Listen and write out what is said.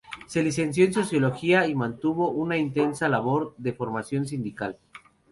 Se licenció en sociología y mantuvo una intensa labor de formación sindical.